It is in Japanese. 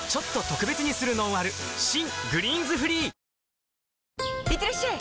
新「グリーンズフリー」いってらっしゃい！